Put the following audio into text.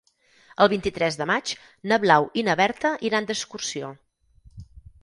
El vint-i-tres de maig na Blau i na Berta iran d'excursió.